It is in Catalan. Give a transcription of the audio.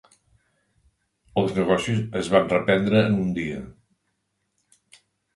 Els negocis es van reprendre en un dia.